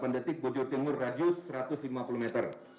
tujuh puluh delapan detik bujur timur radius satu ratus lima puluh meter